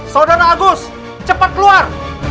saudara agus cepat keluar